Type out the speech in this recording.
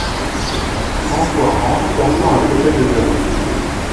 François rentre portant un fauteuil de bureau.